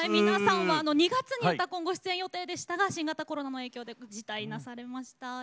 皆さんは２月に「うたコン」ご出演の予定があったんですが新型コロナの影響でご辞退されました。